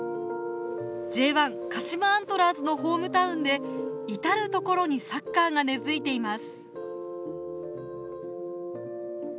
Ｊ１鹿島アントラーズのホームタウンで至る所にサッカーが根づいています。